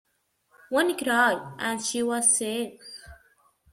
One cry and she was safe.